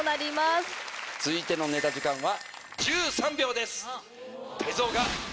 続いてのネタ時間は。